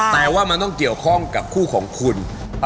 แต่ว่ามันต้องเกี่ยวข้องกับคู่ของคุณ